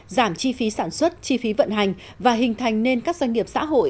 giảm chi phí sản xuất chi phí vận hành và hình thành nên các doanh nghiệp xã hội